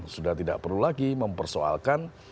sudah tidak perlu lagi mempersoalkan